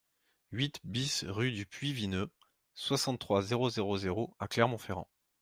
huit BIS rue du Puy Vineux, soixante-trois, zéro zéro zéro à Clermont-Ferrand